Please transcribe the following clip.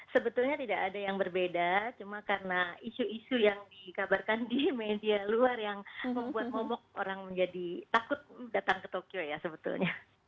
sebetulnya tidak ada yang berbeda cuma karena isu isu yang dikabarkan di media luar yang membuat momok orang menjadi takut datang ke tokyo ya sebetulnya